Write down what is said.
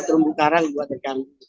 terumbu karang buat ekang